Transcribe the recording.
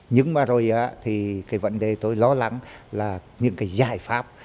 nhưng mà rồi thì cái vấn đề tôi lo lắng là những cái giải pháp